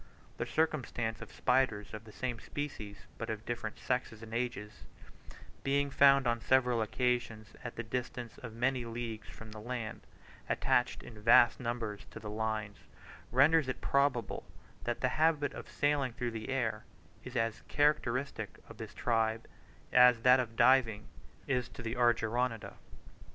The circumstance of spiders of the same species, but of different sexes and ages, being found on several occasions at the distance of many leagues from the land, attached in vast numbers to the lines, renders it probable that the habit of sailing through the air is as characteristic of this tribe, as that of diving is of the Argyroneta.